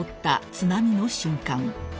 津波の瞬間］